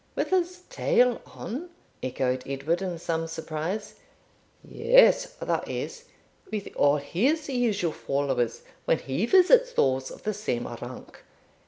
'With his tail on?' echoed Edward in some surprise. 'Yes that is, with all his usual followers, when he visits those of the same rank.